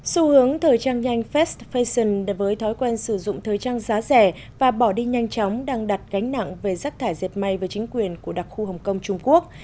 xu hướng thời trang nhanh fest fashion với thói quen sử dụng thời trang giá rẻ và bỏ đi nhanh chóng đang đặt gánh nặng về rác thải diệt may với chính quyền của đặc khu hồng kông trung quốc